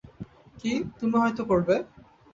কী, তুমি হয়তো করবে?